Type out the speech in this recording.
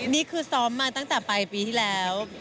นี่คือซ้อมมาตั้งแต่ปลายปีที่แล้ว